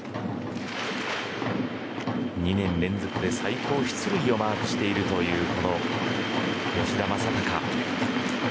２年連続で最高出塁率をマークしているというこの吉田正尚。